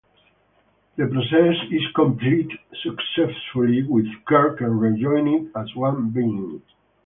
The process is completed successfully, with Kirk rejoined as one being.